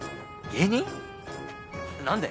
何で？